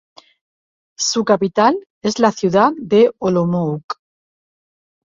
Su capital es la ciudad de Olomouc.